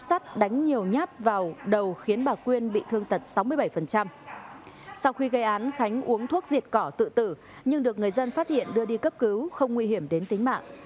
sau khi gây án khánh uống thuốc diệt cỏ tự tử nhưng được người dân phát hiện đưa đi cấp cứu không nguy hiểm đến tính mạng